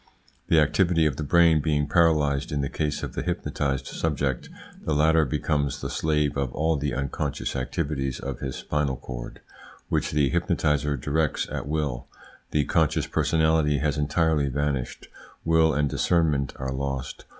The activity of the brain being paralysed in the case of the hypnotised subject, the latter becomes the slave of all the unconscious activities of his spinal cord, which the hypnotiser directs at will. The conscious personality has entirely vanished; will and discernment are lost.